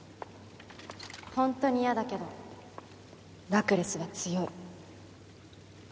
ホントに嫌だけどラクレスは強い。